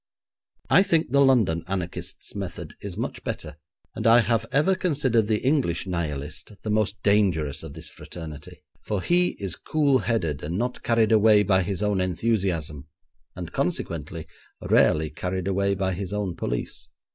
I think the London anarchists' method is much better, and I have ever considered the English nihilist the most dangerous of this fraternity, for he is cool headed and not carried away by his own enthusiasm, and consequently rarely carried away by his own police.